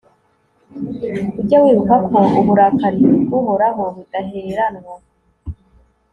ujye wibuka ko uburakari bw'uhoraho budaheranwa